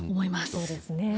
そうですね。